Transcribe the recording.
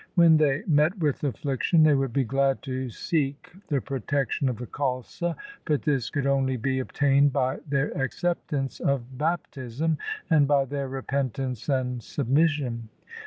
When they met with affliction, they would be glad to seek the protection of the Khalsa, but this could only be obtained by their acceptance of baptism and by their repentance and submission.